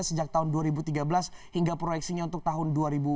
sejak tahun dua ribu tiga belas hingga proyeksinya untuk tahun dua ribu dua puluh